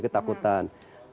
ketakutan yang paling tinggi